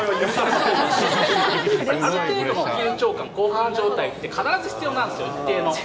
やっぱりある程度の緊張感、興奮状態って、必ず必要なんですよ、一定の。